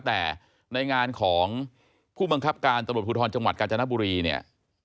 แต่ในงานของผู้บังคับการตำรวจภูทรจังหวัดกาญจนบุรีเนี่ย